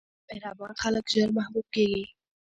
مهربان خلک ژر محبوب کېږي.